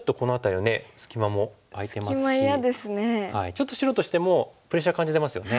ちょっと白としてもプレッシャー感じてますよね。